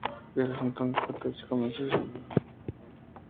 Desde entonces Cotacachi comenzó su historia con una nueva etapa política y civil.